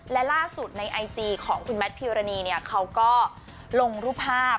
และล่าสุดในไอจีของคุณแมทพิวรณีเนี่ยเขาก็ลงรูปภาพ